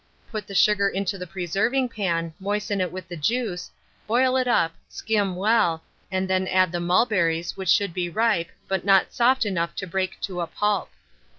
Put the sugar into the preserving pan, moisten it with the juice, boil it up, skim well, and then add the mulberries, which should be ripe, but not soft enough to break to a pulp.